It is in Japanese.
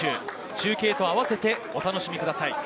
中継とあわせてお楽しみください。